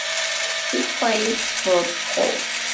He plays for Pau.